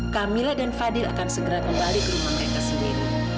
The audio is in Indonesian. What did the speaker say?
camilla dan fadil akan segera kembali ke rumah mereka sendiri